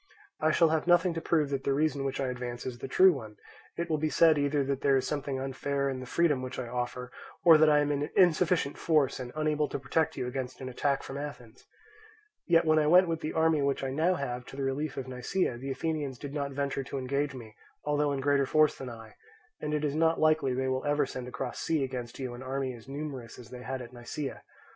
I shall have nothing to prove that the reason which I advance is the true one; it will be said either that there is something unfair in the freedom which I offer, or that I am in insufficient force and unable to protect you against an attack from Athens. Yet when I went with the army which I now have to the relief of Nisaea, the Athenians did not venture to engage me although in greater force than I; and it is not likely they will ever send across sea against you an army as numerous as they had at Nisaea.